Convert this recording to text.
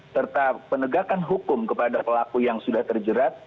serta penegakan hukum kepada pelaku yang sudah terjerat